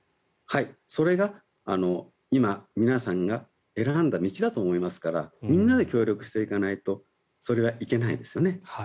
それが今、皆さんが選んだ道だと思いますからみんなで協力していかないとそれはいけないですよね。